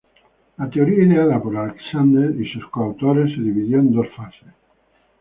La teoría ideada por Alexander y sus coautores se dividió en dos fases.